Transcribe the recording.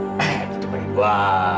kita bagi dua